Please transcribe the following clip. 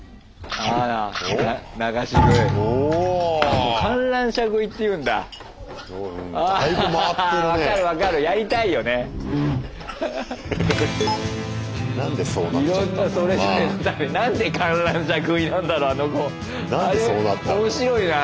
あれ面白いな。